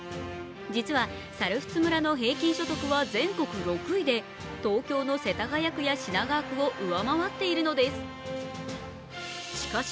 実は猿払村の平均所得は全国６位で東京の世田谷区や品川区を上回っているのですしかし